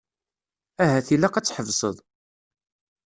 Ahat ilaq ad tḥebseḍ.